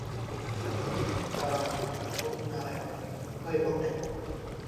এ চড়া দামোদর-রূপনারায়ণের মুখই বটেন।